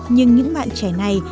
nhưng những bạn trẻ này